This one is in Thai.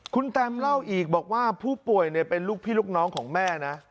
คุณแตมเล่าอีกบอกว่าผู้ป่วยเป็นลูกพี่ลูกน้องของแม่นะ